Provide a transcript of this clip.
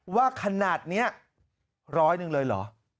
ว่าขนาดนี้ร้อยหนึ่งเลยเหรอ